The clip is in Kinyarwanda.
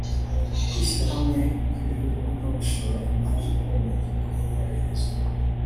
ukwishyira hamwe kw’ibihugu no gushora imari nko mu bikorwa remezo